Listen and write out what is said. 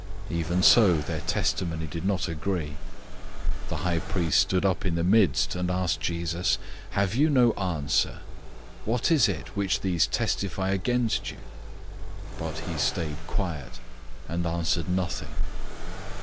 '" 014:059 Even so, their testimony did not agree. 014:060 The high priest stood up in the midst, and asked Jesus, "Have you no answer? What is it which these testify against you?" 014:061 But he stayed quiet, and answered nothing.